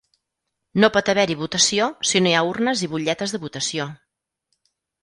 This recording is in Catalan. No pot haver-hi votació si no hi ha urnes i butlletes de votació.